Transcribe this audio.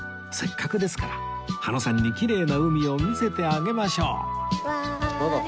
せっかくですから羽野さんにきれいな海を見せてあげましょうわい。